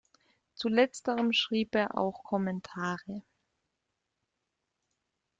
Zu letzterem schrieb er auch Kommentare.